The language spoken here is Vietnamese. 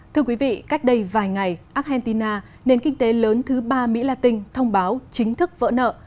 thưa quý vị cách đây vài ngày argentina nền kinh tế lớn thứ ba mỹ latin thông báo chính thức vỡ nợ